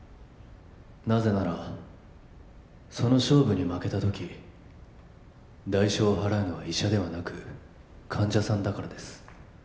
なぜならその勝負に負けた時代償を払うのは医者ではなく患者さんだからです